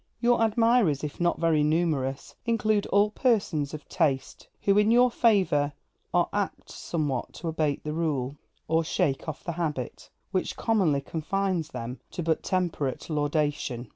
Your admirers, if not very numerous, include all persons of taste, who, in your favour, are apt somewhat to abate the rule, or shake off the habit, which commonly confines them to but temperate laudation.